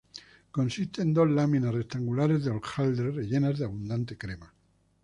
Consiste en dos láminas rectangulares de hojaldre rellenas de abundante crema.